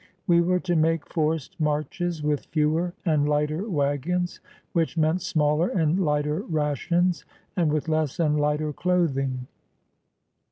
We were to make forced marches with fewer and lighter wagons, which meant smaller and lighter rations, and with less and lighter clothing.